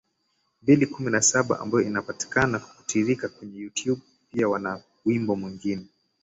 mbili kumi na saba ambayo inapatikana kwa kutiririka kwenye YouTube Pia wana wimbo mwingine